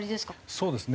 そうですね。